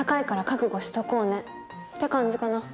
って感じかな。